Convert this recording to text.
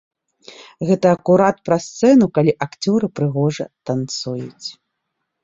Гэта акурат пра сцэну, калі акцёры прыгожа танцуюць.